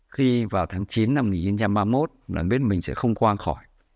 khi vào tháng chín năm một nghìn chín trăm ba mươi một là biết mình sẽ không quang khỏi